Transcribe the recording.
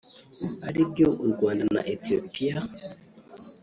aribyo u Rwanda na Ethiopia